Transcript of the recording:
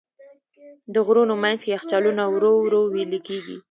د غرونو منځ کې یخچالونه ورو ورو وېلې کېږي.